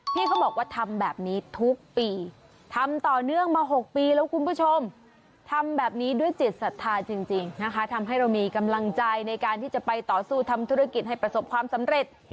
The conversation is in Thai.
พี่เขาบอกว่าทำแบบนี้ทุกปีทำต่อเนื่องมา๖ปีแล้วคุณผู้ชมทำแบบนี้ด้วยจิตศรัทธาจริงนะคะทำให้เรามีกำลังใจในการที่จะไปต่อสู้ทำธุรกิจให้ประสบความสำเร็จ